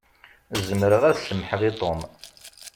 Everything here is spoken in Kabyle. Zemreɣ ad semmḥeɣ i Tom.